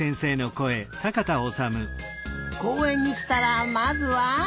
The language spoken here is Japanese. こうえんにきたらまずは。